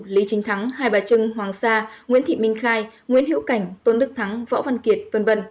lý chính thắng hai bà trưng hoàng sa nguyễn thị minh khai nguyễn hữu cảnh tôn đức thắng võ văn kiệt v v